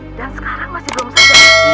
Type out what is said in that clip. dan sekarang masih belum selesai